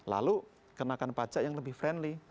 lalu kenakan pajak yang lebih friendly